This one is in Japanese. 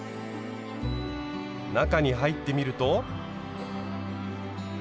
中に入ってみると。